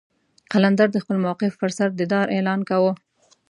قلندر د خپل موقف پر سر د دار اعلان کاوه.